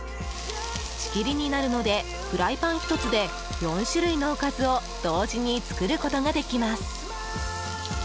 仕切りになるのでフライパン１つで４種類のおかずを同時に作ることができます。